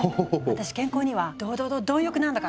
私健康にはドドド貪欲なんだから。